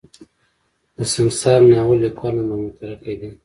د سنګسار ناول ليکوال نور محمد تره کی دی.